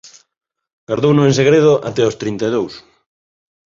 Gardouno en segredo até os trinta e dous.